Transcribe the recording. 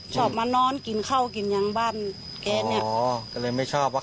ชอบมานอนกินข้าวกินอย่างบ้านแกเนี่ยอ๋อก็เลยไม่ชอบว่า